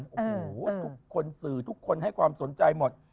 โอ้โหทุกคนสื่อทุกคนให้ความสนใจหมด